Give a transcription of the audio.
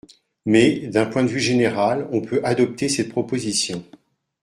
Mais, d’un point de vue général, on peut adopter cette proposition.